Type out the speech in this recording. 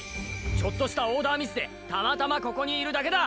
ちょっとしたオーダーミスでたまたまここにいるだけだ。